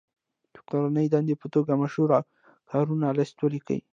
د کورنۍ دندې په توګه مشهورو کارونو لست ولیکئ.